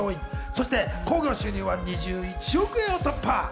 そして興行収入は２１億円を突破。